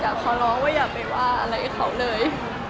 ขอร้องว่าอย่าไปว่าอะไรเขาเลย